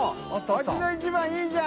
味の一番」いいじゃん！